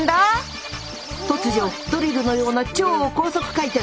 ⁉突如ドリルのような超高速回転！